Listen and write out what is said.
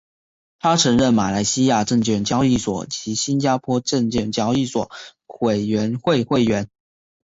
他曾任马来西亚证券交易所及新加坡证券交易所委员会会员。